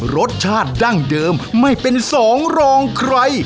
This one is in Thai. รสชาติดั้งเดิมไม่เป็นสองรองใคร